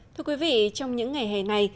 thưa quý vị trong những ngày hè này